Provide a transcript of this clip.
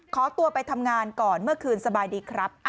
ขอตัวไปทำงานก่อนเมื่อคืนสบายดีครับ